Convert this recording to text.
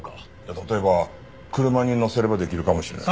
例えば車に載せればできるかもしれない。